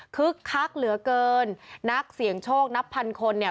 คักเหลือเกินนักเสี่ยงโชคนับพันคนเนี่ย